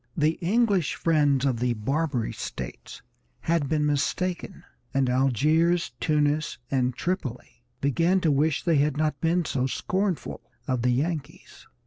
The English friends of the Barbary States had been mistaken, and Algiers, Tunis, and Tripoli began to wish they had not been so scornful of the Yankees.